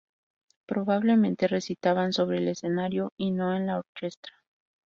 Probablemente recitaban sobre el escenario y no en la "orchestra".